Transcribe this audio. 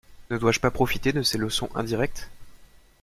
Ne dois-je pas profiter de ces leçons indirectes?